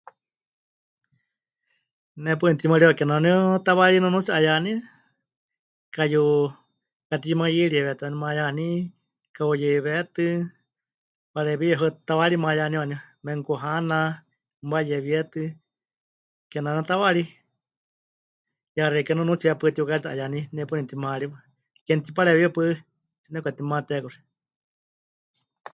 Ne paɨ nepɨtimaariwa kename waaníu tawaarí nunuutsi 'ayaní, kayu... katiyumayɨiriewetɨ waaníu mayaní, ka'uyeiweétɨ, pareewíya heuyehɨatɨ́ tawaarí mayaní waaníu, menukuhana, wayewietɨ kename waaníu tawaarí, ya xeikɨ́a nunuutsi hepaɨ tiuka'iyaaritɨ hayaní, ne paɨ nepɨtimaariwa, ke mɨtipareewiwa paɨ 'aatsí nepɨkatimate kuxi.